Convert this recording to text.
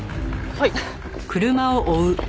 はい。